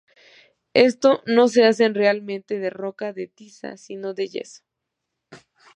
Estos no se hacen realmente de roca de tiza, sino de yeso.